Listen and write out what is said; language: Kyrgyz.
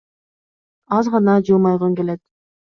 Аз гана жылмайгың келет.